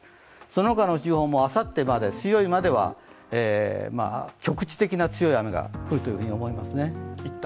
その他の地方もあさって水曜日までは局地的な強い雨が降ると思いますね。